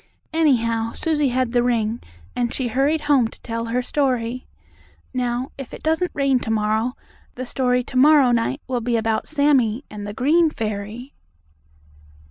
Anyhow, Susie had the ring, and she hurried home to tell her story. Now, if it doesn't rain to morrow, the story to morrow night will be about Sammie and the green fairy.